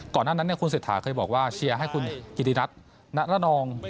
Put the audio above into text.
ก่อนหน้านั้นคุณเศรษฐาเคยบอกว่าเชียร์ให้คุณกิติรัฐณระนอง